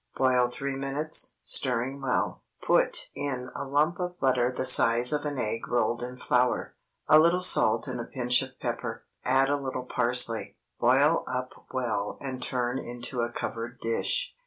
Boil three minutes, stirring well; put in a lump of butter the size of an egg rolled in flour, a little salt and a pinch of pepper; add a little parsley; boil up well and turn into a covered dish.